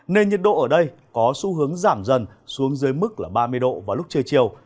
nên nhiệt độ ở đây có xu hướng giảm dần xuống dưới mức là ba mươi độ vào lúc trưa chiều